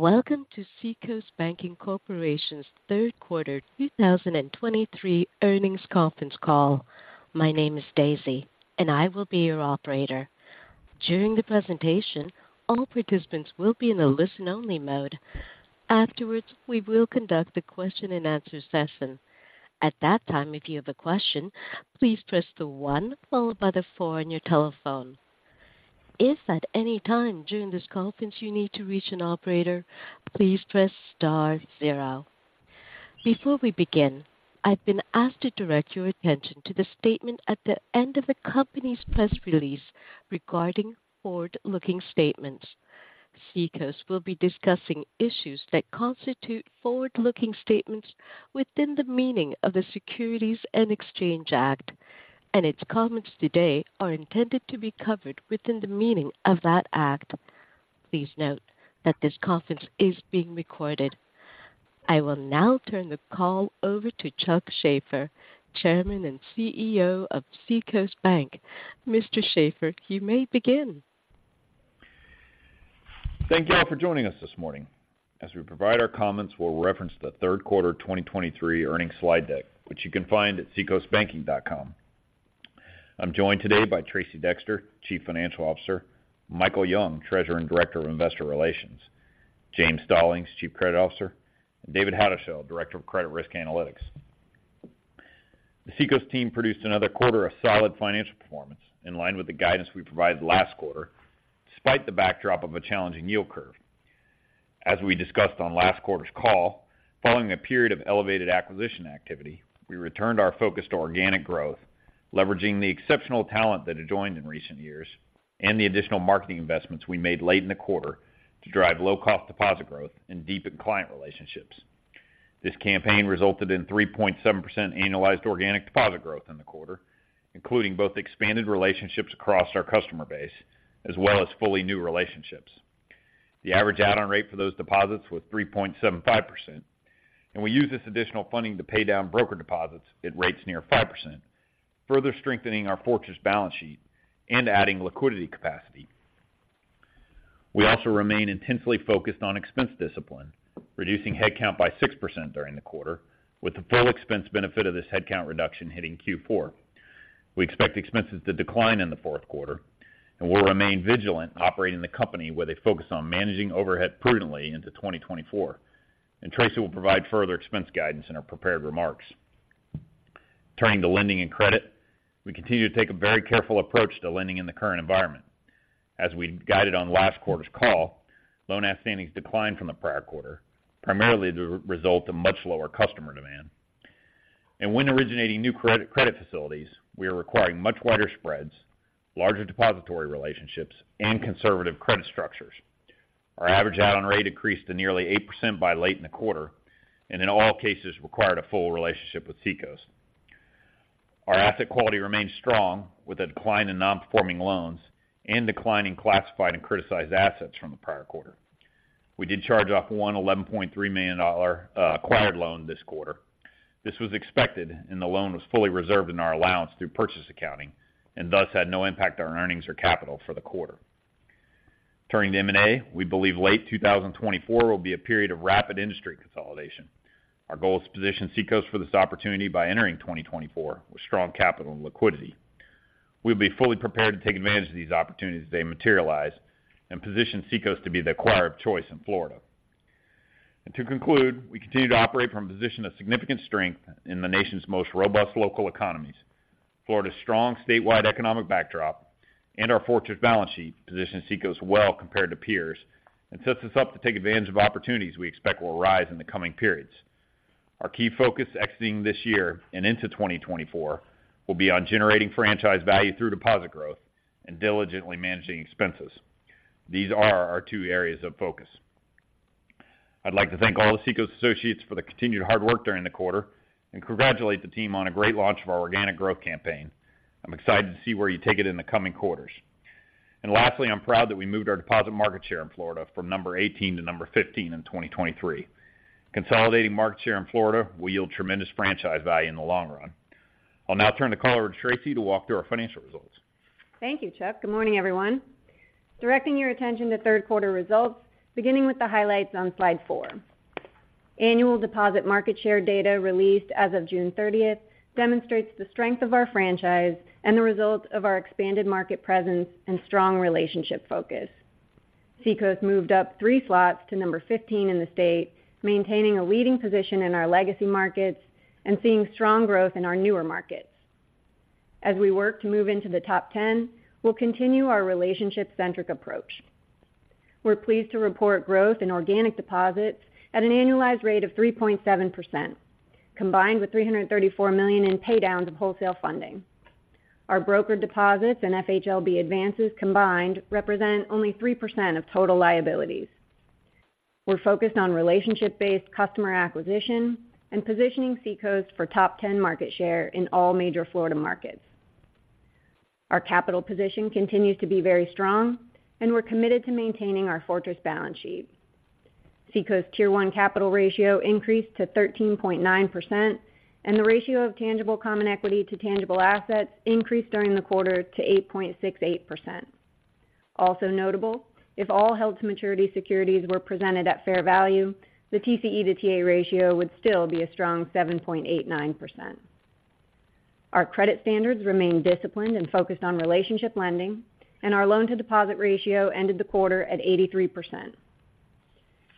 Welcome to Seacoast Banking Corporation's third quarter 2023 earnings conference call. My name is Daisy, and I will be your operator. During the presentation, all participants will be in a listen-only mode. Afterwards, we will conduct a question-and-answer session. At that time, if you have a question, please press the one followed by the four on your telephone. If at any time during this conference you need to reach an operator, please press star zero. Before we begin, I've been asked to direct your attention to the statement at the end of the company's press release regarding forward-looking statements. Seacoast will be discussing issues that constitute forward-looking statements within the meaning of the Securities and Exchange Act, and its comments today are intended to be covered within the meaning of that act. Please note that this conference is being recorded. I will now turn the call over to Chuck Shaffer, Chairman and CEO of Seacoast Bank. Mr. Shaffer, you may begin. Thank you all for joining us this morning. As we provide our comments, we'll reference the third quarter 2023 earnings slide deck, which you can find at seacoastbanking.com. I'm joined today by Tracey Dexter, Chief Financial Officer, Michael Young, Treasurer and Director of Investor Relations, James Stallings, Chief Credit Officer, and David Houdeshel, Director of Credit Risk Analytics. The Seacoast team produced another quarter of solid financial performance, in line with the guidance we provided last quarter, despite the backdrop of a challenging yield curve. As we discussed on last quarter's call, following a period of elevated acquisition activity, we returned our focus to organic growth, leveraging the exceptional talent that had joined in recent years and the additional marketing investments we made late in the quarter to drive low-cost deposit growth and deepen client relationships. This campaign resulted in 3.7% annualized organic deposit growth in the quarter, including both expanded relationships across our customer base, as well as fully new relationships. The average add-on rate for those deposits was 3.75%, and we used this additional funding to pay down broker deposits at rates near 5%, further strengthening our fortress balance sheet and adding liquidity capacity. We also remain intensely focused on expense discipline, reducing headcount by 6% during the quarter, with the full expense benefit of this headcount reduction hitting Q4. We expect expenses to decline in the fourth quarter, and we'll remain vigilant operating the company with a focus on managing overhead prudently into 2024, and Tracey will provide further expense guidance in our prepared remarks. Turning to lending and credit, we continue to take a very careful approach to lending in the current environment. As we guided on last quarter's call, loan outstandings declined from the prior quarter, primarily the result of much lower customer demand. And when originating new credit, credit facilities, we are requiring much wider spreads, larger depository relationships, and conservative credit structures. Our average add-on rate increased to nearly 8% by late in the quarter, and in all cases, required a full relationship with Seacoast. Our asset quality remains strong, with a decline in non-performing loans and decline in classified and criticized assets from the prior quarter. We did charge off $11.3 million acquired loan this quarter. This was expected, and the loan was fully reserved in our allowance through purchase accounting and thus had no impact on earnings or capital for the quarter. Turning to M&A, we believe late 2024 will be a period of rapid industry consolidation. Our goal is to position Seacoast for this opportunity by entering 2024 with strong capital and liquidity. We'll be fully prepared to take advantage of these opportunities as they materialize and position Seacoast to be the acquirer of choice in Florida. And to conclude, we continue to operate from a position of significant strength in the nation's most robust local economies. Florida's strong statewide economic backdrop and our fortress balance sheet positions Seacoast well compared to peers and sets us up to take advantage of opportunities we expect will arise in the coming periods. Our key focus exiting this year and into 2024 will be on generating franchise value through deposit growth and diligently managing expenses. These are our two areas of focus. I'd like to thank all the Seacoast associates for the continued hard work during the quarter and congratulate the team on a great launch of our organic growth campaign. I'm excited to see where you take it in the coming quarters. And lastly, I'm proud that we moved our deposit market share in Florida from number 18 to number 15 in 2023. Consolidating market share in Florida will yield tremendous franchise value in the long run. I'll now turn the call over to Tracey to walk through our financial results. Thank you, Chuck. Good morning, everyone. Directing your attention to third quarter results, beginning with the highlights on slide four. Annual deposit market share data released as of June thirtieth demonstrates the strength of our franchise and the results of our expanded market presence and strong relationship focus. Seacoast moved up three slots to number 15 in the state, maintaining a leading position in our legacy markets and seeing strong growth in our newer markets. As we work to move into the top 10, we'll continue our relationship-centric approach. We're pleased to report growth in organic deposits at an annualized rate of 3.7%, combined with $334 million in pay downs of wholesale funding. Our broker deposits and FHLB advances combined represent only 3% of total liabilities. We're focused on relationship-based customer acquisition and positioning Seacoast for top 10 market share in all major Florida markets. Our capital position continues to be very strong, and we're committed to maintaining our fortress balance sheet. Seacoast Tier 1 capital ratio increased to 13.9%, and the ratio of tangible common equity to tangible assets increased during the quarter to 8.68%. Also notable, if all held-to-maturity securities were presented at fair value, the TCE to TA ratio would still be a strong 7.89%. Our credit standards remain disciplined and focused on relationship lending, and our loan-to-deposit ratio ended the quarter at 83%.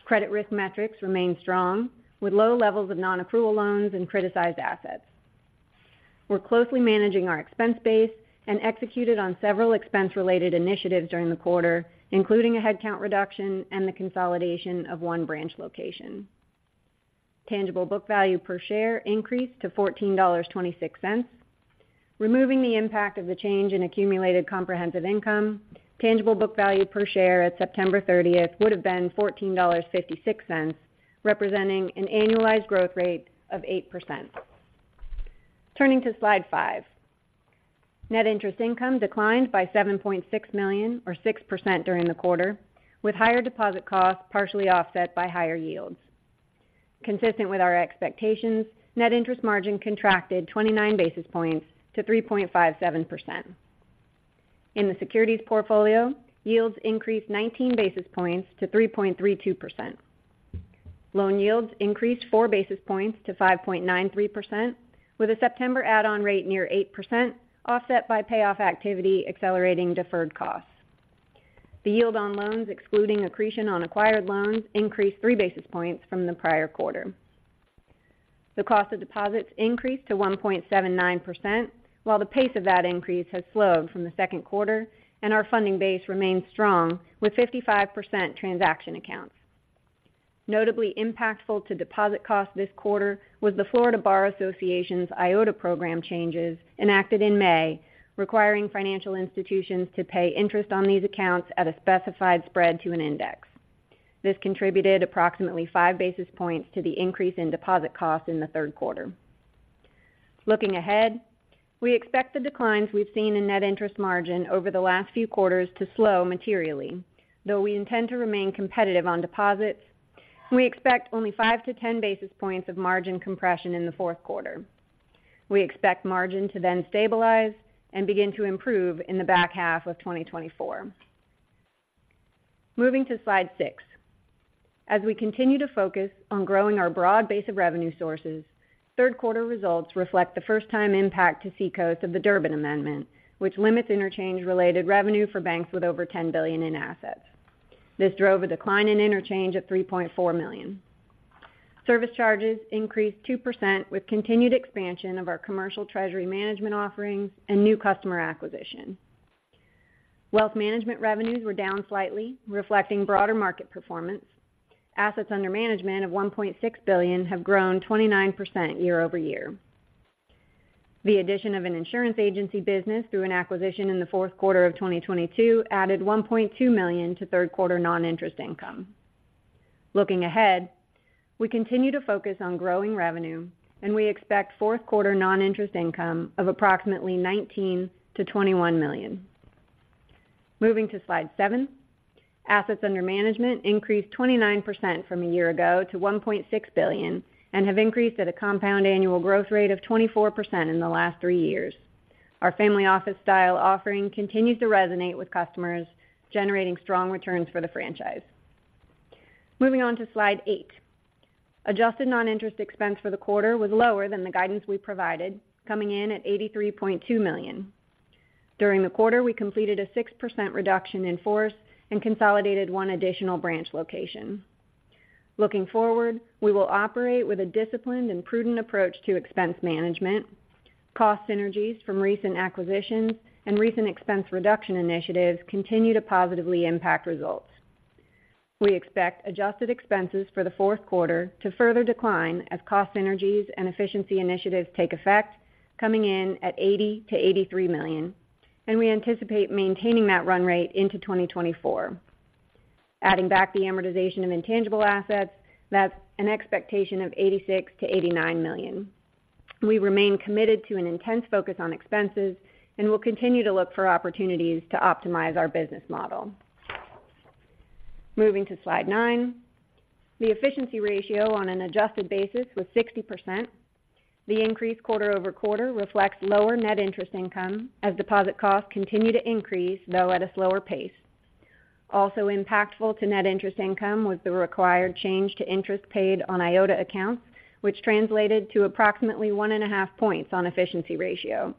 Credit risk metrics remain strong, with low levels of nonaccrual loans and criticized assets. We're closely managing our expense base and executed on several expense-related initiatives during the quarter, including a headcount reduction and the consolidation of one branch location. Tangible book value per share increased to $14.26. Removing the impact of the change in accumulated comprehensive income, tangible book value per share at September 30 would have been $14.56, representing an annualized growth rate of 8%. Turning to slide five. Net interest income declined by $7.6 million, or 6% during the quarter, with higher deposit costs partially offset by higher yields. Consistent with our expectations, net interest margin contracted 29 basis points to 3.57%. In the securities portfolio, yields increased 19 basis points to 3.32%. Loan yields increased 4 basis points to 5.93%, with a September add-on rate near 8%, offset by payoff activity accelerating deferred costs. The yield on loans, excluding accretion on acquired loans, increased 3 basis points from the prior quarter. The cost of deposits increased to 1.79%, while the pace of that increase has slowed from the second quarter, and our funding base remains strong, with 55% transaction accounts. Notably impactful to deposit costs this quarter was the Florida Bar Association's IOTA program changes enacted in May, requiring financial institutions to pay interest on these accounts at a specified spread to an index. This contributed approximately 5 basis points to the increase in deposit costs in the third quarter. Looking ahead, we expect the declines we've seen in net interest margin over the last few quarters to slow materially. Though we intend to remain competitive on deposits, we expect only 5-10 basis points of margin compression in the fourth quarter. We expect margin to then stabilize and begin to improve in the back half of 2024. Moving to slide six. As we continue to focus on growing our broad base of revenue sources, third quarter results reflect the first time impact to Seacoast of the Durbin Amendment, which limits interchange-related revenue for banks with over $10 billion in assets. This drove a decline in interchange of $3.4 million. Service charges increased 2%, with continued expansion of our commercial treasury management offerings and new customer acquisition. Wealth management revenues were down slightly, reflecting broader market performance. Assets under management of $1.6 billion have grown 29% year-over-year. The addition of an insurance agency business through an acquisition in the fourth quarter of 2022 added $1.2 million to third quarter non-interest income. Looking ahead, we continue to focus on growing revenue, and we expect fourth quarter non-interest income of approximately $19 million-$21 million. Moving to slide seven. Assets under management increased 29% from a year ago to $1.6 billion, and have increased at a compound annual growth rate of 24% in the last three years. Our family office style offering continues to resonate with customers, generating strong returns for the franchise. Moving on to slide eight. Adjusted non-interest expense for the quarter was lower than the guidance we provided, coming in at $83.2 million. During the quarter, we completed a 6% reduction in force and consolidated one additional branch location. Looking forward, we will operate with a disciplined and prudent approach to expense management. Cost synergies from recent acquisitions and recent expense reduction initiatives continue to positively impact results. We expect adjusted expenses for the fourth quarter to further decline as cost synergies and efficiency initiatives take effect, coming in at $80 million-$83 million, and we anticipate maintaining that run rate into 2024. Adding back the amortization of intangible assets, that's an expectation of $86 million-$89 million. We remain committed to an intense focus on expenses and will continue to look for opportunities to optimize our business model. Moving to slide nine. The efficiency ratio on an adjusted basis was 60%. The increase quarter-over-quarter reflects lower net interest income as deposit costs continue to increase, though at a slower pace. Also impactful to net interest income was the required change to interest paid on IOTA accounts, which translated to approximately 1.5 points on efficiency ratio,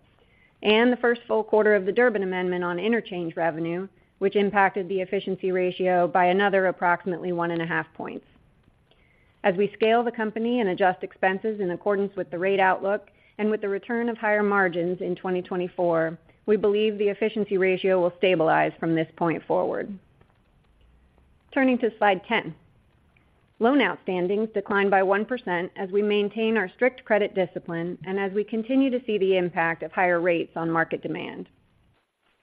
and the first full quarter of the Durbin Amendment on interchange revenue, which impacted the efficiency ratio by another approximately 1.5 points. As we scale the company and adjust expenses in accordance with the rate outlook and with the return of higher margins in 2024, we believe the efficiency ratio will stabilize from this point forward. Turning to slide 10. Loan outstanding declined by 1% as we maintain our strict credit discipline and as we continue to see the impact of higher rates on market demand.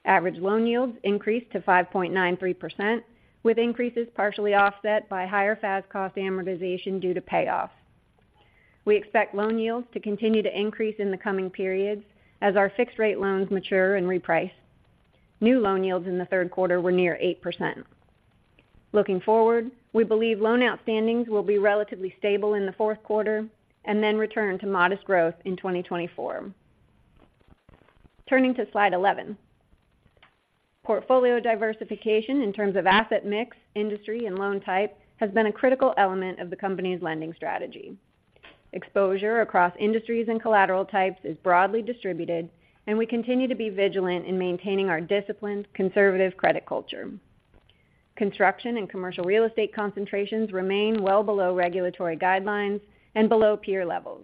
Average loan yields increased to 5.93%, with increases partially offset by higher FAS cost amortization due to payoff. We expect loan yields to continue to increase in the coming periods as our fixed rate loans mature and reprice. New loan yields in the third quarter were near 8%.... Looking forward, we believe loan outstandings will be relatively stable in the fourth quarter and then return to modest growth in 2024. Turning to slide 11. Portfolio diversification in terms of asset mix, industry, and loan type has been a critical element of the company's lending strategy. Exposure across industries and collateral types is broadly distributed, and we continue to be vigilant in maintaining our disciplined, conservative credit culture. Construction and commercial real estate concentrations remain well below regulatory guidelines and below peer levels.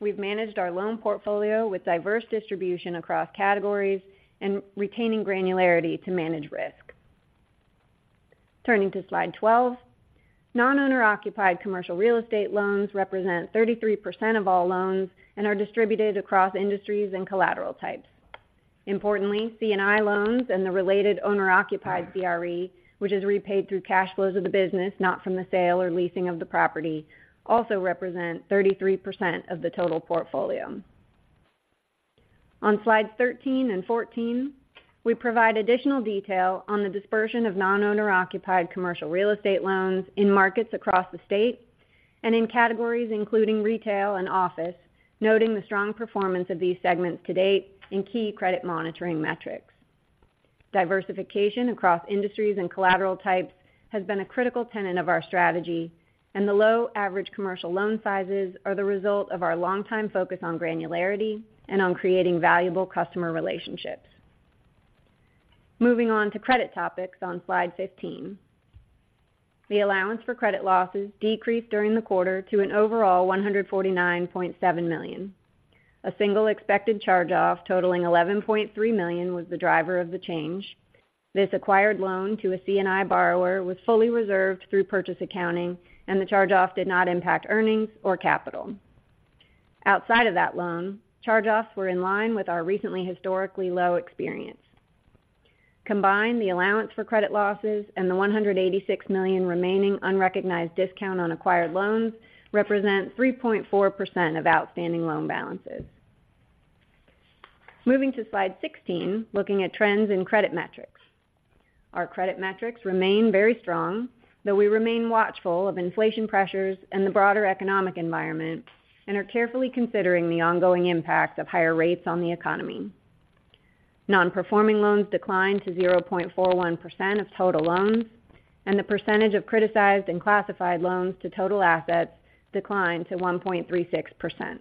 We've managed our loan portfolio with diverse distribution across categories and retaining granularity to manage risk. Turning to slide 12, non-owner-occupied commercial real estate loans represent 33% of all loans and are distributed across industries and collateral types. Importantly, C&I loans and the related owner-occupied CRE, which is repaid through cash flows of the business, not from the sale or leasing of the property, also represent 33% of the total portfolio. On slide 13 and 14, we provide additional detail on the dispersion of non-owner-occupied commercial real estate loans in markets across the state and in categories including retail and office, noting the strong performance of these segments to date in key credit monitoring metrics. Diversification across industries and collateral types has been a critical tenet of our strategy, and the low average commercial loan sizes are the result of our longtime focus on granularity and on creating valuable customer relationships. Moving on to credit topics on slide 15. The allowance for credit losses decreased during the quarter to an overall $149.7 million. A single expected charge-off, totaling $11.3 million, was the driver of the change. This acquired loan to a C&I borrower was fully reserved through purchase accounting, and the charge-off did not impact earnings or capital. Outside of that loan, charge-offs were in line with our recently historically low experience. Combined, the allowance for credit losses and the $186 million remaining unrecognized discount on acquired loans represent 3.4% of outstanding loan balances. Moving to slide 16, looking at trends in credit metrics. Our credit metrics remain very strong, though we remain watchful of inflation pressures and the broader economic environment and are carefully considering the ongoing impacts of higher rates on the economy. Nonperforming loans declined to 0.41% of total loans, and the percentage of criticized and classified loans to total assets declined to 1.36%.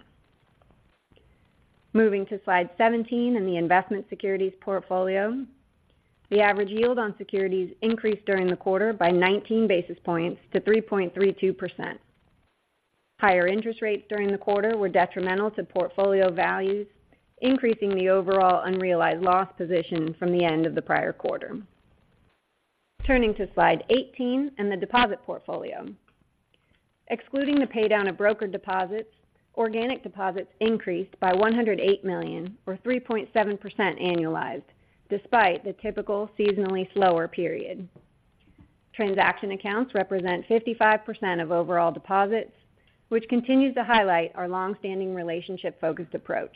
Moving to slide 17 and the investment securities portfolio. The average yield on securities increased during the quarter by 19 basis points to 3.32%. Higher interest rates during the quarter were detrimental to portfolio values, increasing the overall unrealized loss position from the end of the prior quarter. Turning to slide 18 and the deposit portfolio. Excluding the paydown of broker deposits, organic deposits increased by $108 million, or 3.7% annualized, despite the typical seasonally slower period. Transaction accounts represent 55% of overall deposits, which continues to highlight our long-standing relationship-focused approach.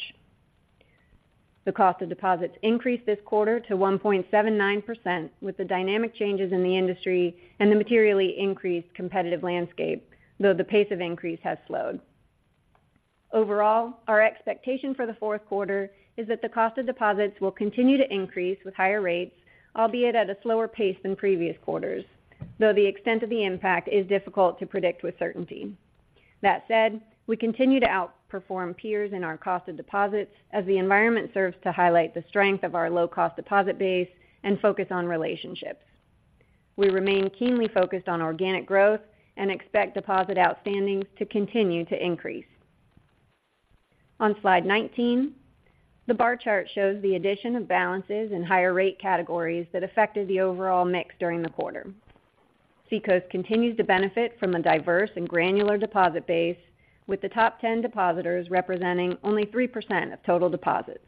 The cost of deposits increased this quarter to 1.79%, with the dynamic changes in the industry and the materially increased competitive landscape, though the pace of increase has slowed. Overall, our expectation for the fourth quarter is that the cost of deposits will continue to increase with higher rates, albeit at a slower pace than previous quarters, though the extent of the impact is difficult to predict with certainty. That said, we continue to outperform peers in our cost of deposits as the environment serves to highlight the strength of our low-cost deposit base and focus on relationships. We remain keenly focused on organic growth and expect deposit outstandings to continue to increase. On slide 19, the bar chart shows the addition of balances in higher rate categories that affected the overall mix during the quarter. Seacoast continues to benefit from a diverse and granular deposit base, with the top 10 depositors representing only 3% of total deposits.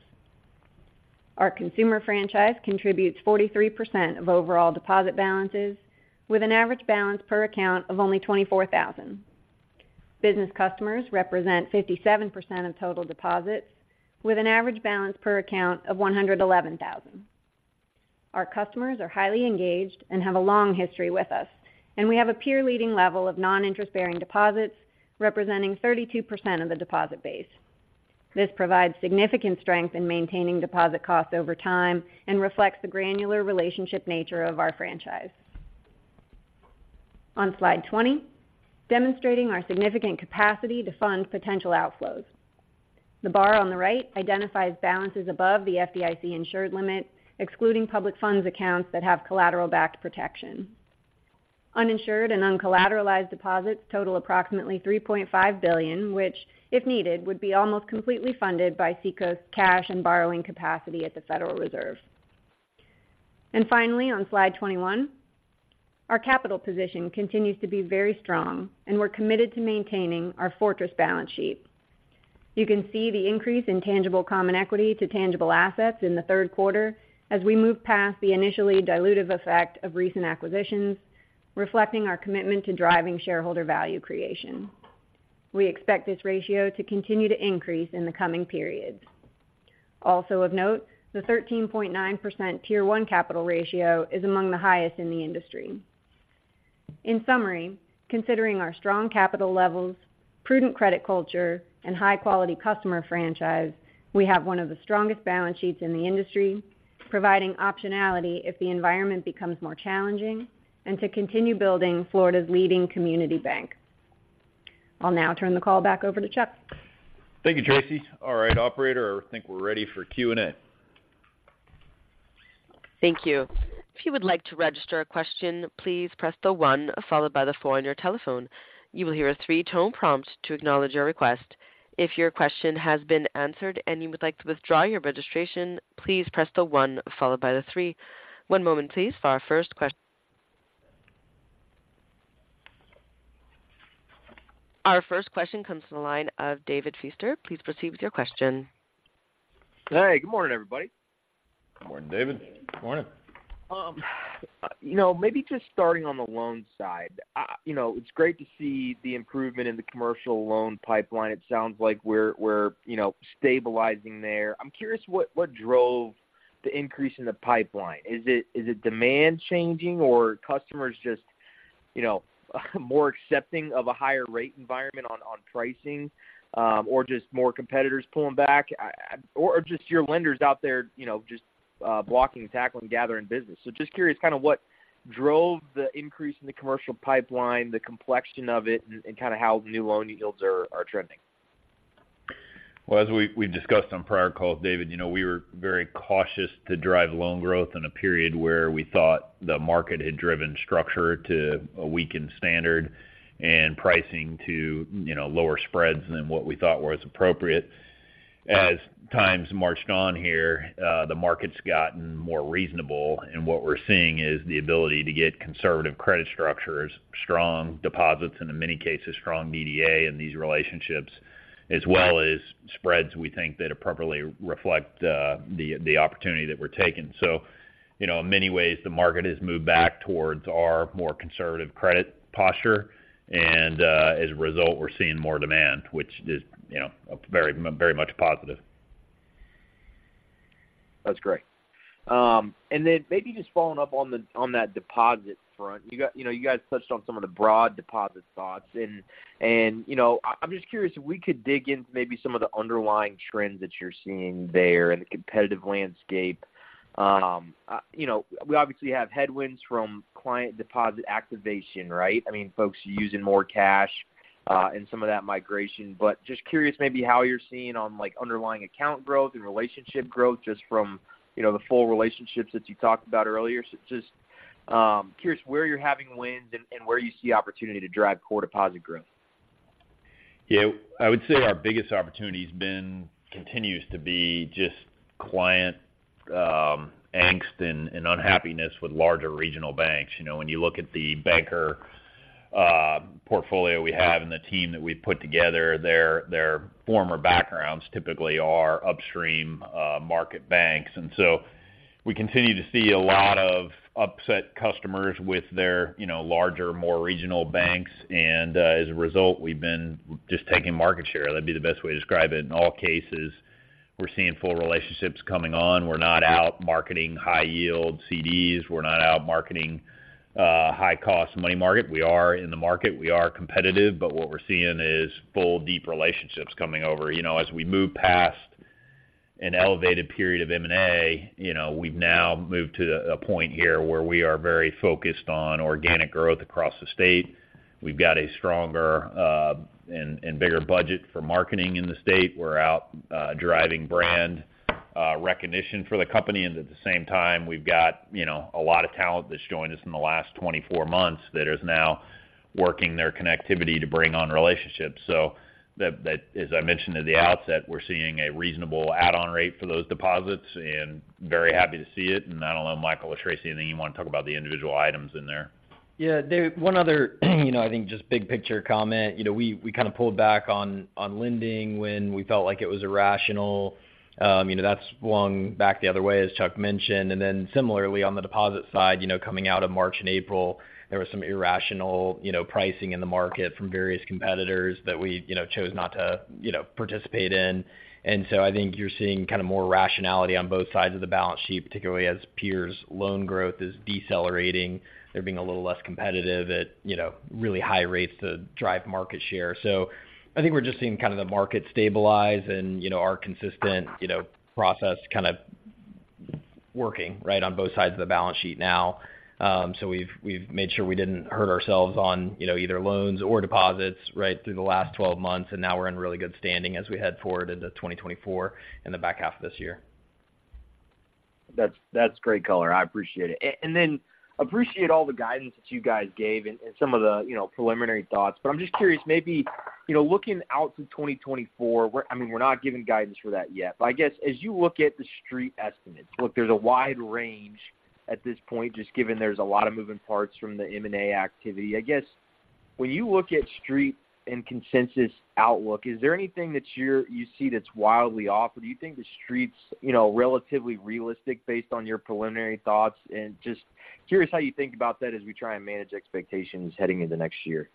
Our consumer franchise contributes 43% of overall deposit balances, with an average balance per account of only $24,000. Business customers represent 57% of total deposits, with an average balance per account of $111,000. Our customers are highly engaged and have a long history with us, and we have a peer-leading level of non-interest-bearing deposits, representing 32% of the deposit base. This provides significant strength in maintaining deposit costs over time and reflects the granular relationship nature of our franchise. On slide 20, demonstrating our significant capacity to fund potential outflows. The bar on the right identifies balances above the FDIC insured limit, excluding public funds accounts that have collateral-backed protection. Uninsured and uncollateralized deposits total approximately $3.5 billion, which, if needed, would be almost completely funded by Seacoast's cash and borrowing capacity at the Federal Reserve. Finally, on slide 21, our capital position continues to be very strong, and we're committed to maintaining our fortress balance sheet. You can see the increase in tangible common equity to tangible assets in the third quarter as we move past the initially dilutive effect of recent acquisitions, reflecting our commitment to driving shareholder value creation. We expect this ratio to continue to increase in the coming periods.... Also of note, the 13.9% Tier 1 capital ratio is among the highest in the industry. In summary, considering our strong capital levels, prudent credit culture, and high-quality customer franchise, we have one of the strongest balance sheets in the industry, providing optionality if the environment becomes more challenging and to continue building Florida's leading community bank. I'll now turn the call back over to Chuck. Thank you, Tracey. All right, operator, I think we're ready for Q&A. Thank you. If you would like to register a question, please press the one followed by the four on your telephone. You will hear a three-tone prompt to acknowledge your request. If your question has been answered and you would like to withdraw your registration, please press the one followed by the three. One moment please for our first question. Our first question comes from the line of David Feaster. Please proceed with your question. Hey, good morning, everybody. Good morning, David. Good morning. You know, maybe just starting on the loan side, you know, it's great to see the improvement in the commercial loan pipeline. It sounds like we're, we're, you know, stabilizing there. I'm curious, what, what drove the increase in the pipeline? Is it, is it demand changing or customers just, you know, more accepting of a higher rate environment on, on pricing, or just more competitors pulling back? Or just your lenders out there, you know, just blocking and tackling, gathering business. So just curious kind of what drove the increase in the commercial pipeline, the complexion of it, and, and kind of how new loan yields are, are trending. Well, as we've discussed on prior calls, David, you know, we were very cautious to drive loan growth in a period where we thought the market had driven structure to a weakened standard and pricing to, you know, lower spreads than what we thought was appropriate. Right. As times marched on here, the market's gotten more reasonable, and what we're seeing is the ability to get conservative credit structures, strong deposits, and in many cases, strong DDA in these relationships, as well as spreads we think that appropriately reflect the opportunity that we're taking. So, you know, in many ways, the market has moved back towards our more conservative credit posture, and as a result, we're seeing more demand, which is, you know, very, very much positive. That's great. And then maybe just following up on that deposit front. You know, you guys touched on some of the broad deposit thoughts, and you know, I'm just curious if we could dig in to maybe some of the underlying trends that you're seeing there in the competitive landscape. You know, we obviously have headwinds from client deposit activation, right? I mean, folks are using more cash, and some of that migration, but just curious maybe how you're seeing on, like, underlying account growth and relationship growth just from, you know, the full relationships that you talked about earlier. So just curious where you're having wins and where you see opportunity to drive core deposit growth. Yeah. I would say our biggest opportunity has been, continues to be just client angst and unhappiness with larger regional banks. You know, when you look at the banker portfolio we have and the team that we've put together, their former backgrounds typically are upstream market banks. And so we continue to see a lot of upset customers with their, you know, larger, more regional banks, and as a result, we've been just taking market share. That'd be the best way to describe it. In all cases, we're seeing full relationships coming on. We're not out marketing high-yield CDs. We're not out marketing high-cost money market. We are in the market, we are competitive, but what we're seeing is full, deep relationships coming over. You know, as we move past an elevated period of M&A, you know, we've now moved to a point here where we are very focused on organic growth across the state. We've got a stronger and bigger budget for marketing in the state. We're out driving brand recognition for the company. And at the same time, we've got, you know, a lot of talent that's joined us in the last 24 months that is now working their connectivity to bring on relationships. So that as I mentioned at the outset, we're seeing a reasonable add-on rate for those deposits and very happy to see it. And I don't know, Michael or Tracey, anything you want to talk about the individual items in there? Yeah, Dave, one other, you know, I think just big picture comment. You know, we kind of pulled back on lending when we felt like it was irrational. You know, that's swung back the other way, as Chuck mentioned. And then similarly, on the deposit side, you know, coming out of March and April, there was some irrational, you know, pricing in the market from various competitors that we, you know, chose not to, you know, participate in. And so I think you're seeing kind of more rationality on both sides of the balance sheet, particularly as peers' loan growth is decelerating. They're being a little less competitive at, you know, really high rates to drive market share. So I think we're just seeing kind of the market stabilize and, you know, our consistent, you know, process kind of working, right, on both sides of the balance sheet now. So we've made sure we didn't hurt ourselves on, you know, either loans or deposits right through the last 12 months, and now we're in really good standing as we head forward into 2024 and the back half of this year. That's great color. I appreciate it. And then I appreciate all the guidance that you guys gave and some of the, you know, preliminary thoughts. But I'm just curious, maybe, you know, looking out to 2024, I mean, we're not giving guidance for that yet. But I guess, as you look at the street estimates, look, there's a wide range at this point, just given there's a lot of moving parts from the M&A activity. I guess, when you look at street and consensus outlook, is there anything that you're, you see that's wildly off? Or do you think the street's, you know, relatively realistic based on your preliminary thoughts? And just curious how you think about that as we try and manage expectations heading into next year....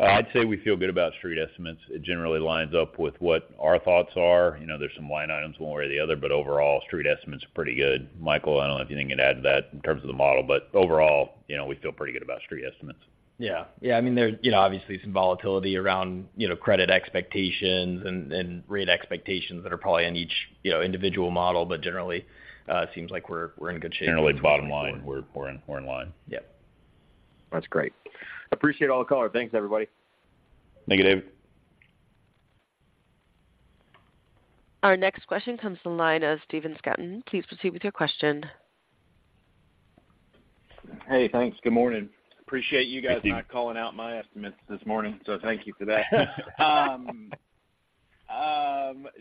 I'd say we feel good about street estimates. It generally lines up with what our thoughts are. You know, there's some line items one way or the other, but overall, street estimates are pretty good. Michael, I don't know if you think you'd add to that in terms of the model, but overall, you know, we feel pretty good about street estimates. Yeah. Yeah, I mean, there's, you know, obviously, some volatility around, you know, credit expectations and, and rate expectations that are probably in each, you know, individual model, but generally, seems like we're, we're in good shape. Generally, bottom line, we're in line. Yep. That's great. Appreciate all the color. Thanks, everybody. Thank you, David. Our next question comes from the line of Stephen Scouten. Please proceed with your question. Hey, thanks. Good morning. Appreciate you guys- Thank you... not calling out my estimates this morning, so thank you for that.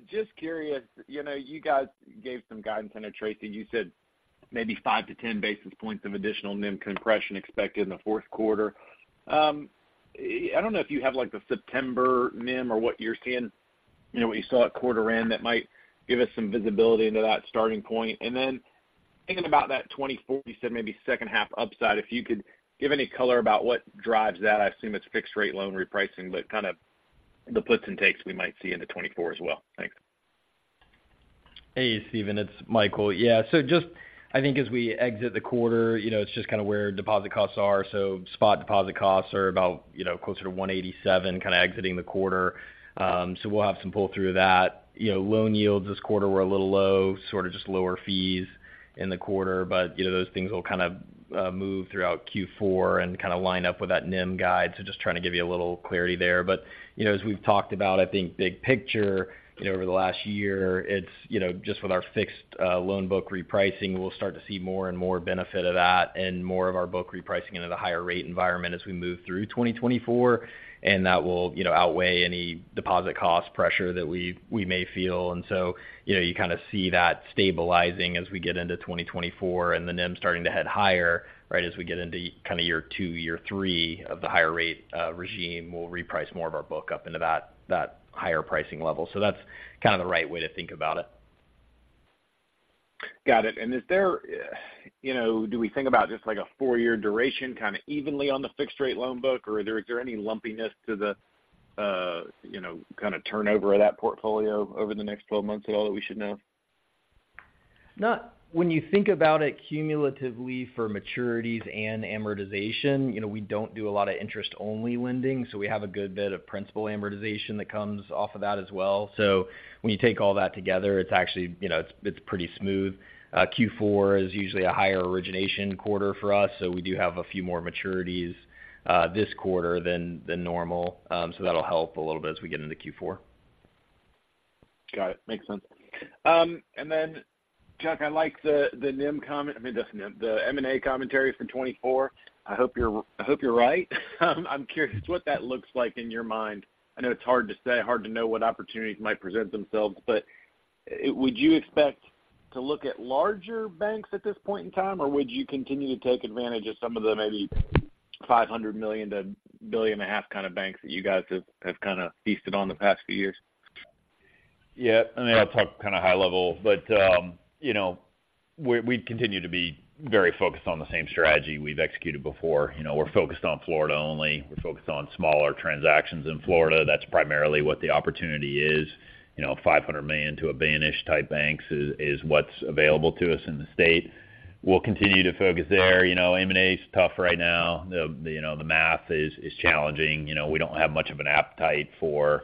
Just curious, you know, you guys gave some guidance under Tracey. You said maybe 5-10 basis points of additional NIM compression expected in the fourth quarter. I don't know if you have, like, the September NIM or what you're seeing, you know, what you saw at quarter end that might give us some visibility into that starting point. And then thinking about that 2024, you said maybe second half upside. If you could give any color about what drives that, I assume it's fixed-rate loan repricing, but kind of the puts and takes we might see into 2024 as well. Thanks. Hey, Stephen, it's Michael. Yeah, so just I think as we exit the quarter, you know, it's just kind of where deposit costs are. So spot deposit costs are about, you know, closer to 1.87, kind of exiting the quarter. So we'll have some pull through that. You know, loan yields this quarter were a little low, sort of just lower fees in the quarter. But, you know, those things will kind of move throughout Q4 and kind of line up with that NIM guide. So just trying to give you a little clarity there. But, you know, as we've talked about, I think big picture, you know, over the last year, it's, you know, just with our fixed loan book repricing, we'll start to see more and more benefit of that and more of our book repricing into the higher rate environment as we move through 2024. And that will, you know, outweigh any deposit cost pressure that we, we may feel. And so, you know, you kind of see that stabilizing as we get into 2024 and the NIM starting to head higher, right? As we get into kind of year two, year three of the higher rate regime, we'll reprice more of our book up into that, that higher pricing level. So that's kind of the right way to think about it. Got it. And is there, you know, do we think about just like a four-year duration, kind of evenly on the fixed-rate loan book, or is there, is there any lumpiness to the, you know, kind of turnover of that portfolio over the next 12 months at all that we should know? When you think about it cumulatively for maturities and amortization, you know, we don't do a lot of interest-only lending, so we have a good bit of principal amortization that comes off of that as well. So when you take all that together, it's actually, you know, it's pretty smooth. Q4 is usually a higher origination quarter for us, so we do have a few more maturities this quarter than normal. So that'll help a little bit as we get into Q4. Got it. Makes sense. And then, Chuck, I like the NIM comment. I mean, that's the M&A commentary for 2024. I hope you're, I hope you're right. I'm curious what that looks like in your mind. I know it's hard to say, hard to know what opportunities might present themselves, but would you expect to look at larger banks at this point in time, or would you continue to take advantage of some of the maybe $500 million-$1.5 billion kind of banks that you guys have kind of feasted on the past few years? Yeah, I mean, I'll talk kind of high level, but you know, we continue to be very focused on the same strategy we've executed before. You know, we're focused on Florida only. We're focused on smaller transactions in Florida. That's primarily what the opportunity is. You know, $500 million-$1 billion-type banks is what's available to us in the state. We'll continue to focus there. You know, M&A is tough right now. The math is challenging. You know, we don't have much of an appetite for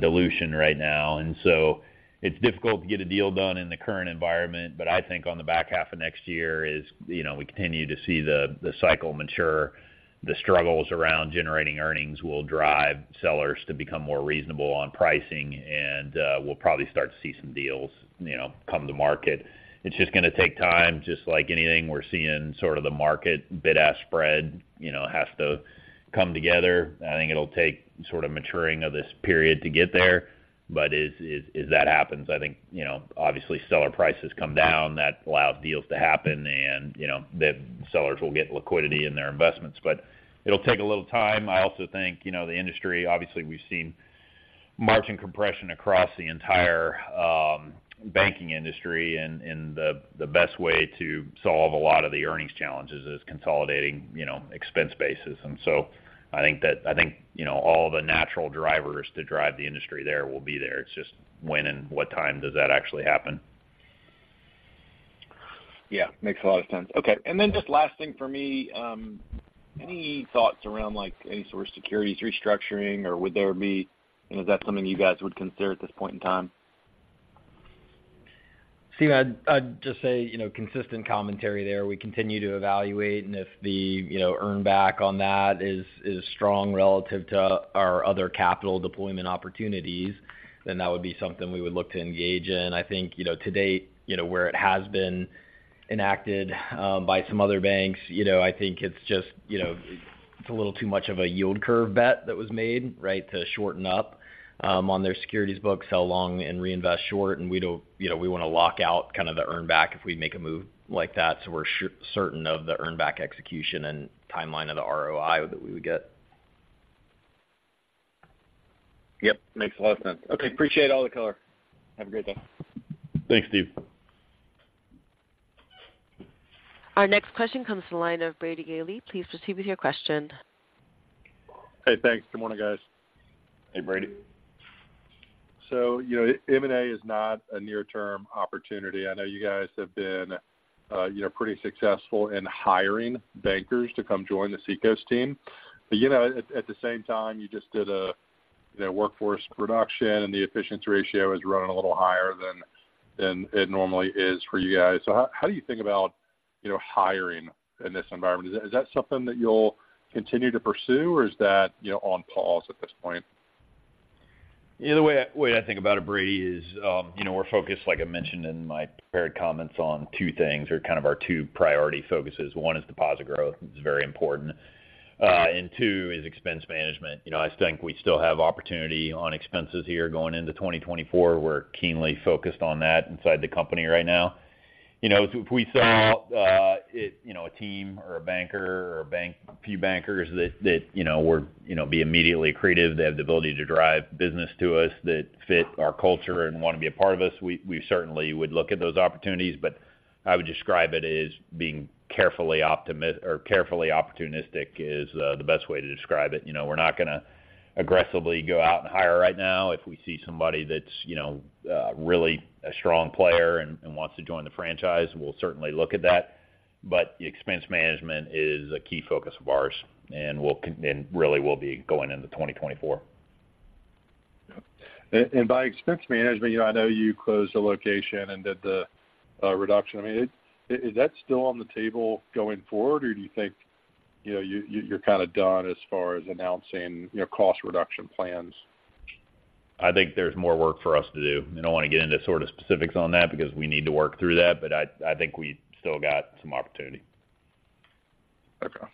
dilution right now, and so it's difficult to get a deal done in the current environment. But I think on the back half of next year, we continue to see the cycle mature. The struggles around generating earnings will drive sellers to become more reasonable on pricing, and we'll probably start to see some deals, you know, come to market. It's just gonna take time, just like anything we're seeing, sort of the market bid-ask spread, you know, has to come together. I think it'll take sort of maturing of this period to get there, but as that happens, I think, you know, obviously, seller prices come down. That allows deals to happen and, you know, the sellers will get liquidity in their investments, but it'll take a little time. I also think, you know, the industry, obviously, we've seen margin compression across the entire banking industry, and the best way to solve a lot of the earnings challenges is consolidating, you know, expense bases. And so I think, you know, all the natural drivers to drive the industry there will be there. It's just when and what time does that actually happen? Yeah, makes a lot of sense. Okay, and then just last thing for me, any thoughts around, like, any sort of securities restructuring, or would there be, you know, is that something you guys would consider at this point in time? Steve, I'd just say, you know, consistent commentary there. We continue to evaluate, and if the, you know, earn back on that is strong relative to our other capital deployment opportunities, then that would be something we would look to engage in. I think, you know, to date, you know, where it has been enacted by some other banks, you know, I think it's just, you know, it's a little too much of a yield curve bet that was made, right, to shorten up on their securities book, sell long and reinvest short. And we don't-- you know, we wanna lock out kind of the earn back if we make a move like that, so we're certain of the earn back execution and timeline of the ROI that we would get. Yep, makes a lot of sense. Okay, appreciate all the color. Have a great day. Thanks, Steve. Our next question comes from the line of Brady Gailey. Please proceed with your question. Hey, thanks. Good morning, guys. Hey, Brady. So, you know, M&A is not a near-term opportunity. I know you guys have been, you know, pretty successful in hiring bankers to come join the Seacoast team. But, you know, at the same time, you just did a, you know, workforce reduction, and the efficiency ratio is running a little higher than it normally is for you guys. So how do you think about, you know, hiring in this environment? Is that something that you'll continue to pursue, or is that, you know, on pause at this point? The way I think about it, Brady, is, you know, we're focused, like I mentioned in my prepared comments, on two things or kind of our two priority focuses. One is deposit growth, it's very important. Two is expense management. You know, I think we still have opportunity on expenses here going into 2024. We're keenly focused on that inside the company right now. You know, if we saw, you know, a team or a banker or a few bankers that, you know, would, you know, be immediately accretive, they have the ability to drive business to us, that fit our culture and want to be a part of us, we certainly would look at those opportunities. But I would describe it as being carefully or carefully opportunistic is, the best way to describe it. You know, we're not going to aggressively go out and hire right now. If we see somebody that's, you know, really a strong player and wants to join the franchise, we'll certainly look at that. But the expense management is a key focus of ours, and we'll—and really will be going into 2024. Yeah. And by expense management, you know, I know you closed the location and did the reduction. I mean, is that still on the table going forward, or do you think, you know, you, you're kind of done as far as announcing, you know, cost reduction plans? I think there's more work for us to do. I don't want to get into sort of specifics on that because we need to work through that, but I, I think we still got some opportunity. Okay.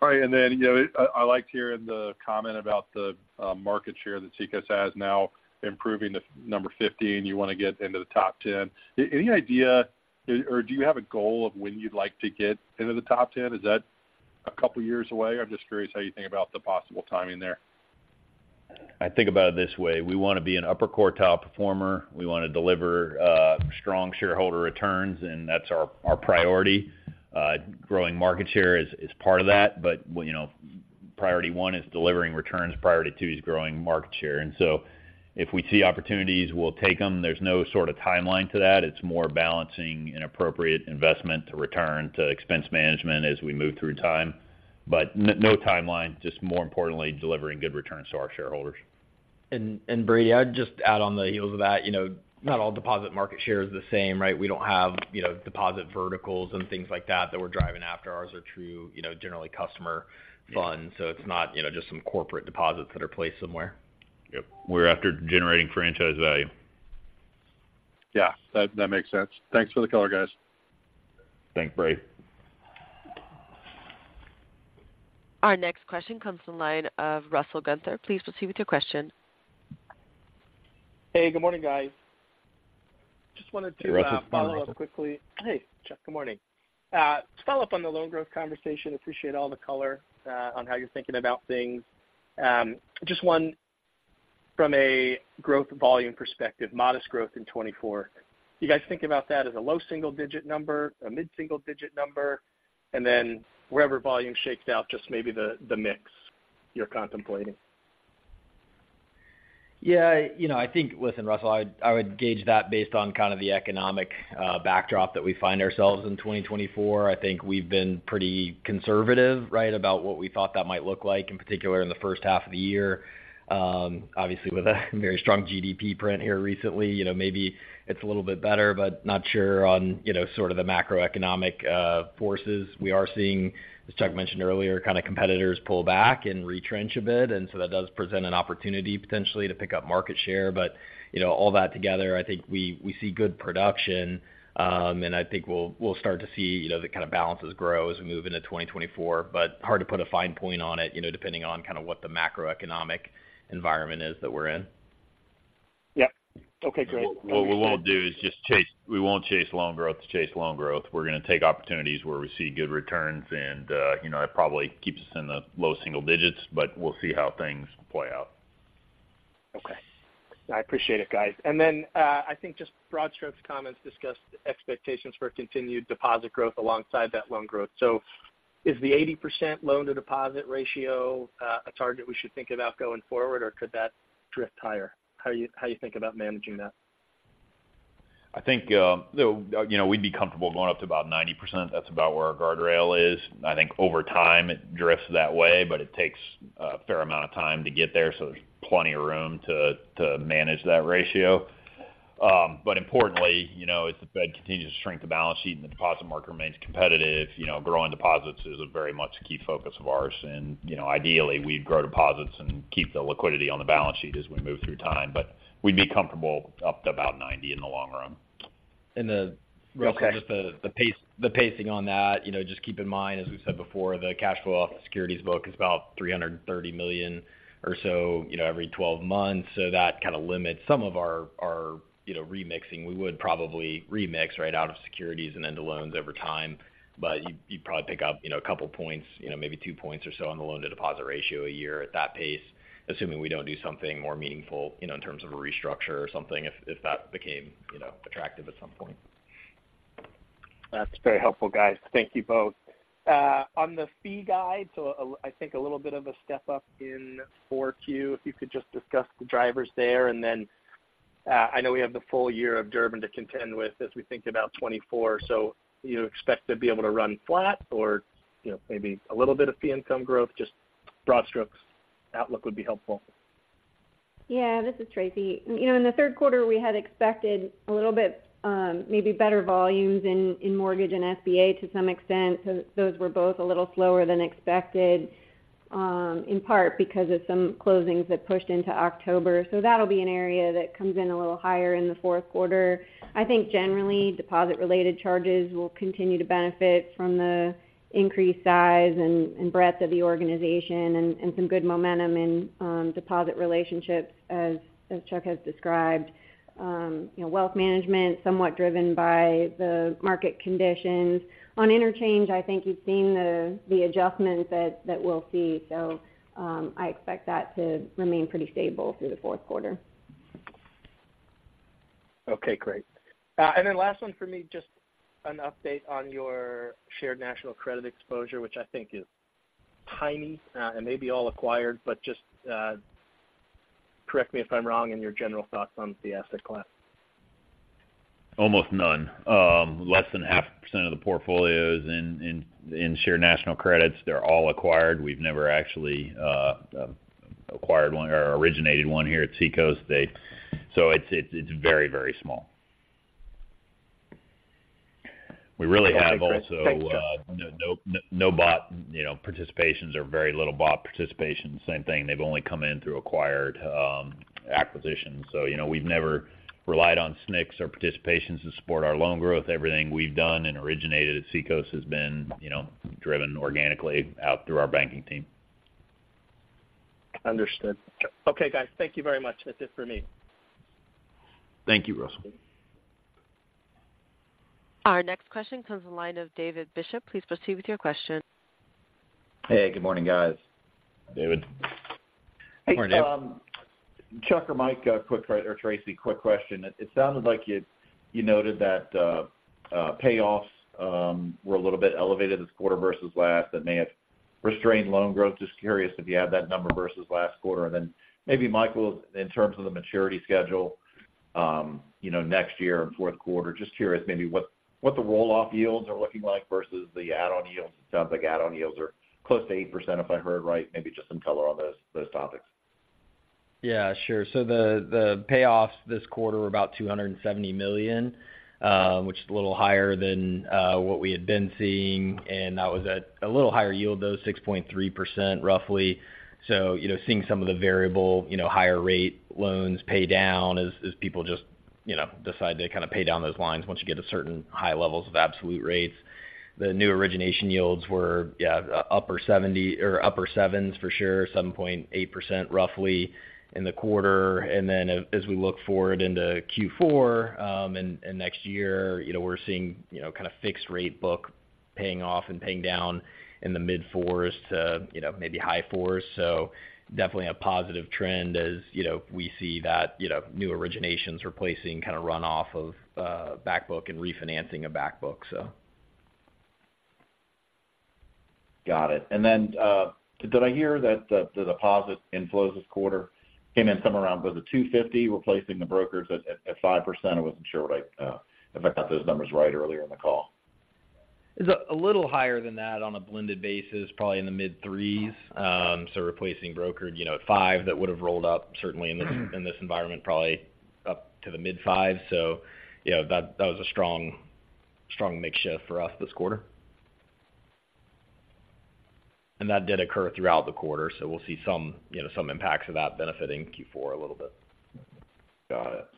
All right, and then, you know, I liked hearing the comment about the market share that Seacoast has now improving the number 15, and you want to get into the top 10. Any idea, or do you have a goal of when you'd like to get into the top 10? Is that a couple of years away? I'm just curious how you think about the possible timing there. I think about it this way: We want to be an upper core top performer. We want to deliver, strong shareholder returns, and that's our, our priority. Growing market share is, is part of that, but, well, you know, priority one is delivering returns, priority two is growing market share. And so if we see opportunities, we'll take them. There's no sort of timeline to that. It's more balancing an appropriate investment to return to expense management as we move through time. But no timeline, just more importantly, delivering good returns to our shareholders. Brady, I'd just add on the heels of that, you know, not all deposit market share is the same, right? We don't have, you know, deposit verticals and things like that, that we're driving after. Ours are true, you know, generally customer funds, so it's not, you know, just some corporate deposits that are placed somewhere. Yep. We're after generating franchise value. Yeah, that, that makes sense. Thanks for the color, guys. Thanks, Brady. Our next question comes from the line of Russell Gunther. Please proceed with your question. Hey, good morning, guys. Just wanted to-... Hey, Russell. Follow up quickly. Hey, Chuck, good morning. Just follow up on the loan growth conversation. Appreciate all the color on how you're thinking about things. Just one from a growth volume perspective, modest growth in 2024. Do you guys think about that as a low single-digit number, a mid-single-digit number, and then wherever volume shakes out, just maybe the, the mix you're contemplating? Yeah, you know, I think. Listen, Russell, I, I would gauge that based on kind of the economic backdrop that we find ourselves in 2024. I think we've been pretty conservative, right, about what we thought that might look like, in particular, in the first half of the year. Obviously, with a very strong GDP print here recently, you know, maybe it's a little bit better, but not sure on, you know, sort of the macroeconomic forces. We are seeing, as Chuck mentioned earlier, kind of competitors pull back and retrench a bit, and so that does present an opportunity, potentially, to pick up market share. You know, all that together, I think we see good production, and I think we'll start to see, you know, the kind of balances grow as we move into 2024, but hard to put a fine point on it, you know, depending on kind of what the macroeconomic environment is that we're in. Yep. Okay, great. What we won't do is just chase, we won't chase loan growth to chase loan growth. We're going to take opportunities where we see good returns, and you know, it probably keeps us in the low single digits, but we'll see how things play out. Okay. I appreciate it, guys. And then, I think just broad strokes comments discussed expectations for continued deposit growth alongside that loan growth. So is the 80% loan-to-deposit ratio a target we should think about going forward, or could that drift higher? How you, how you think about managing that? I think, you know, we'd be comfortable going up to about 90%. That's about where our guardrail is. I think over time, it drifts that way, but it takes a fair amount of time to get there, so there's plenty of room to manage that ratio. But importantly, you know, as the Fed continues to shrink the balance sheet and the deposit market remains competitive, you know, growing deposits is a very much key focus of ours. And, you know, ideally, we'd grow deposits and keep the liquidity on the balance sheet as we move through time, but we'd be comfortable up to about 90% in the long run. Then, just the pacing on that, you know, just keep in mind, as we've said before, the cash flow off the securities book is about $330 million or so, you know, every 12 months. So that kind of limits some of our remixing. We would probably remix right out of securities and into loans over time, but you'd probably pick up, you know, a couple of points, you know, maybe two points or so on the loan-to-deposit ratio a year at that pace, assuming we don't do something more meaningful, you know, in terms of a restructure or something, if that became, you know, attractive at some point.... That's very helpful, guys. Thank you both. On the fee guide, so, I think a little bit of a step up in 4Q, if you could just discuss the drivers there. And then, I know we have the full year of Durbin to contend with as we think about 2024. So you expect to be able to run flat or, you know, maybe a little bit of fee income growth? Just broad strokes outlook would be helpful. Yeah, this is Tracey. You know, in the third quarter, we had expected a little bit, maybe better volumes in mortgage and SBA to some extent. So those were both a little slower than expected, in part because of some closings that pushed into October. So that'll be an area that comes in a little higher in the fourth quarter. I think generally, deposit-related charges will continue to benefit from the increased size and breadth of the organization and some good momentum in deposit relationships, as Chuck has described. You know, wealth management, somewhat driven by the market conditions. On interchange, I think you've seen the adjustments that we'll see. So, I expect that to remain pretty stable through the fourth quarter. Okay, great. And then last one for me, just an update on your shared national credit exposure, which I think is tiny, and maybe all acquired, but just correct me if I'm wrong, and your general thoughts on the asset class. Almost none. Less than 0.5% of the portfolio is in shared national credits. They're all acquired. We've never actually acquired one or originated one here at Seacoast. So it's very small. We really have also- Thanks, Chuck. No, no, no bought, you know, participations or very little bought participation. Same thing, they've only come in through acquired acquisitions. So, you know, we've never relied on SNCs or participations to support our loan growth. Everything we've done and originated at Seacoast has been, you know, driven organically out through our banking team. Understood. Okay, guys, thank you very much. That's it for me. Thank you, Russell. Our next question comes from the line of David Bishop. Please proceed with your question. Hey, good morning, guys. David. Good morning. Hey, Chuck or Mike, or Tracey, quick question. It sounded like you noted that payoffs were a little bit elevated this quarter versus last. That may have restrained loan growth. Just curious if you have that number versus last quarter. And then maybe, Michael, in terms of the maturity schedule, you know, next year and fourth quarter, just curious maybe what the roll-off yields are looking like versus the add-on yields. It sounds like add-on yields are close to 8%, if I heard right. Maybe just some color on those topics. Yeah, sure. So the payoffs this quarter were about $270 million, which is a little higher than what we had been seeing, and that was at a little higher yield, though, 6.3%, roughly. So, you know, seeing some of the variable, you know, higher rate loans pay down as people just, you know, decide to kind of pay down those lines once you get to certain high levels of absolute rates. The new origination yields were, yeah, upper 70 or upper 7s for sure, 7.8% roughly in the quarter. And then as we look forward into Q4, and next year, you know, we're seeing, you know, kind of fixed rate book paying off and paying down in the mid-4s to, you know, maybe high 4s. Definitely a positive trend as, you know, we see that, you know, new originations replacing kind of run off of back book and refinancing of back book, so. Got it. Did I hear that the deposit inflows this quarter came in somewhere around $250 million, replacing the brokers at 5%? I wasn't sure if I got those numbers right earlier in the call. It's a little higher than that on a blended basis, probably in the mid-threes. So replacing brokered, you know, at five, that would have rolled up certainly in this environment, probably up to the mid-fives. So, you know, that was a strong, strong mix shift for us this quarter. And that did occur throughout the quarter, so we'll see some, you know, some impacts of that benefiting Q4 a little bit. Got it.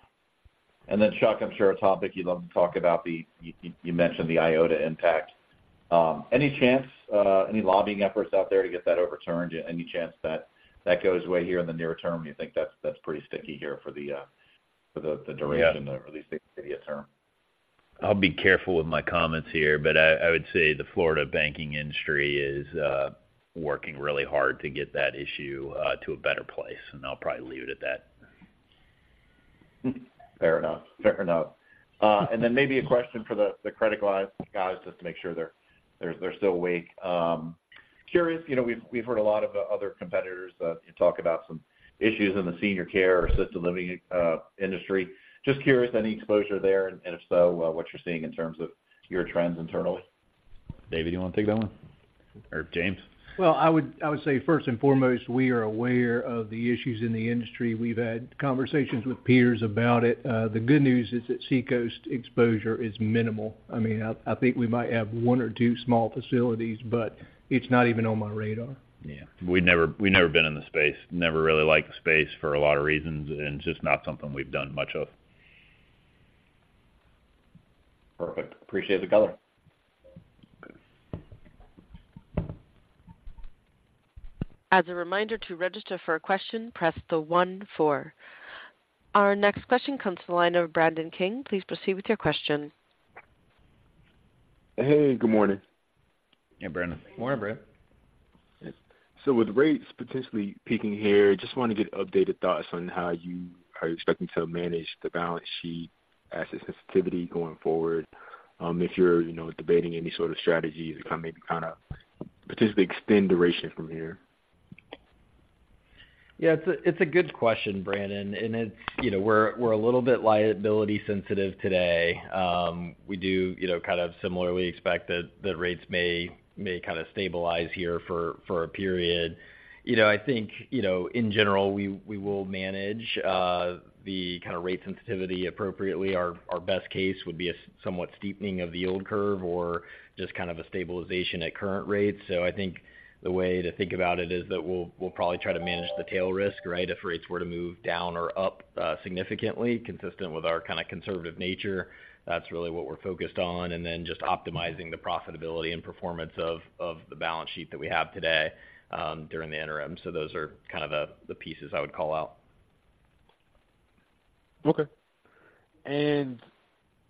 And then, Chuck, I'm sure a topic you'd love to talk about, the—you mentioned the IOTA impact. Any chance, any lobbying efforts out there to get that overturned? Any chance that that goes away here in the near term, you think that's pretty sticky here for the, for the duration- Yeah or at least the intermediate term? I'll be careful with my comments here, but I would say the Florida banking industry is working really hard to get that issue to a better place, and I'll probably leave it at that. Fair enough. Fair enough. And then maybe a question for the, the credit line guys, just to make sure they're, they're still awake. Curious, you know, we've, we've heard a lot of other competitors talk about some issues in the senior care or assisted living industry. Just curious, any exposure there, and, and if so, what you're seeing in terms of your trends internally? David, you want to take that one? Or James? Well, I would say first and foremost, we are aware of the issues in the industry. We've had conversations with peers about it. The good news is that Seacoast exposure is minimal. I mean, I think we might have one or two small facilities, but it's not even on my radar. Yeah. We've never, we've never been in the space, never really liked the space for a lot of reasons, and it's just not something we've done much of. Perfect. Appreciate the color. As a reminder to register for a question, press the one four. Our next question comes from the line of Brandon King. Please proceed with your question. Hey, good morning. Hey, Brandon. Morning, Brandon.... So with rates potentially peaking here, just want to get updated thoughts on how you are expecting to manage the balance sheet asset sensitivity going forward, if you're, you know, debating any sort of strategy to kind of, maybe kind of potentially extend duration from here? Yeah, it's a, it's a good question, Brandon, and it's, you know, we're, we're a little bit liability sensitive today. We do, you know, kind of similarly expect that, that rates may, may kind of stabilize here for, for a period. You know, I think, you know, in general, we, we will manage the kind of rate sensitivity appropriately. Our, our best case would be a somewhat steepening of the yield curve or just kind of a stabilization at current rates. So I think the way to think about it is that we'll, we'll probably try to manage the tail risk, right? If rates were to move down or up, significantly, consistent with our kind of conservative nature, that's really what we're focused on, and then just optimizing the profitability and performance of, of the balance sheet that we have today, during the interim. Those are kind of the pieces I would call out. Okay. And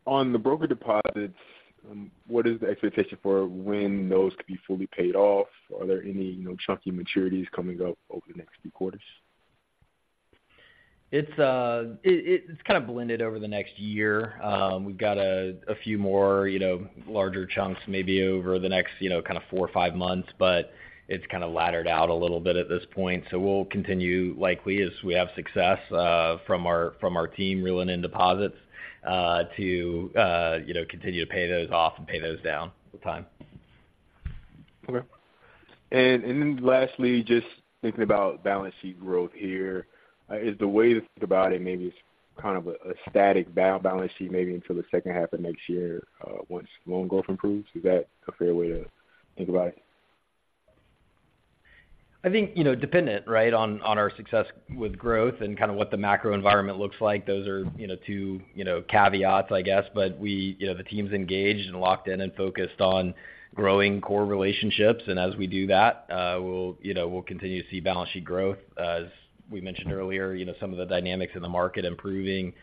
on the broker deposits, what is the expectation for when those could be fully paid off? Are there any, you know, chunky maturities coming up over the next few quarters? It's kind of blended over the next year. We've got a few more, you know, larger chunks, maybe over the next, you know, kind of four or five months, but it's kind of laddered out a little bit at this point. So we'll continue, likely, as we have success from our team reeling in deposits to, you know, continue to pay those off and pay those down with time. Okay. Then lastly, just thinking about balance sheet growth here, is the way to think about it, maybe it's kind of a static balance sheet, maybe until the second half of next year, once loan growth improves. Is that a fair way to think about it? I think, you know, dependent, right, on, on our success with growth and kind of what the macro environment looks like. Those are, you know, two, you know, caveats, I guess. But we, you know, the team's engaged and locked in and focused on growing core relationships, and as we do that, we'll, you know, we'll continue to see balance sheet growth. As we mentioned earlier, you know, some of the dynamics in the market improving.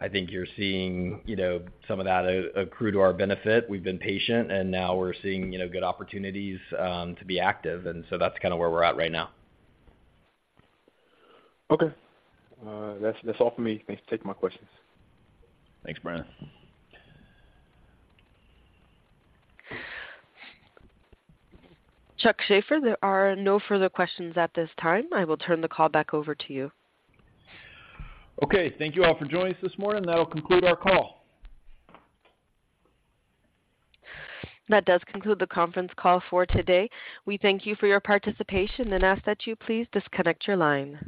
I think you're seeing, you know, some of that accrue to our benefit. We've been patient, and now we're seeing, you know, good opportunities, to be active, and so that's kind of where we're at right now. Okay. That's, that's all for me. Thanks for taking my questions. Thanks, Brandon. Chuck Shaffer, there are no further questions at this time. I will turn the call back over to you. Okay. Thank you all for joining us this morning. That'll conclude our call. That does conclude the conference call for today. We thank you for your participation and ask that you please disconnect your line.